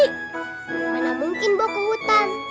gimana mungkin bu ke hutan